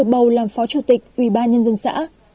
bầu làm phó chủ tịch uban nhân dân xã